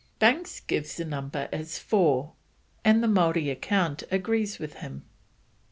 Banks gives the number as four, and the Maori account agrees with him.